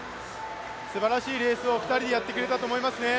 すばらしいレースを２人でやってくれたと思いますね。